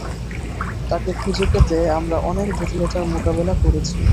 তাকে খুঁজে পেতে আমরা অনেক জটিলতার মোকাবিলা করেছি।